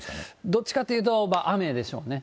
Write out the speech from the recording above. どっちかというと雨でしょうね。